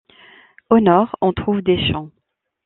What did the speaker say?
Au nord, on trouve des champs.